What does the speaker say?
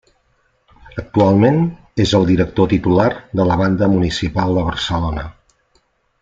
Actualment és el director titular de la Banda Municipal de Barcelona.